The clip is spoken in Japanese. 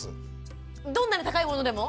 どんなに高いものでも？